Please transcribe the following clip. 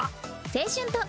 青春と。